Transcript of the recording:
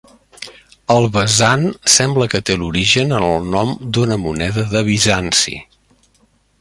El besant sembla que té l'origen en el nom d'una moneda de Bizanci.